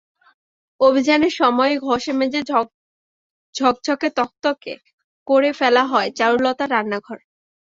অভিযানের সময়ই ঘষেমেজে ঝকঝকেতকতকে করে ফেলা হয় চারুলতার রান্নাঘর।